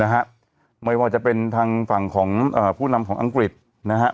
ไม่ว่าจะเป็นทางฝั่งของเอ่อผู้นำของอังกฤษนะฮะ